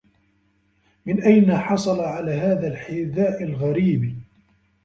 من أين حصل على هذا الحداء الغريب؟